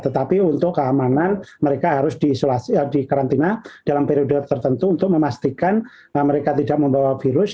tetapi untuk keamanan mereka harus dikarantina dalam periode tertentu untuk memastikan mereka tidak membawa virus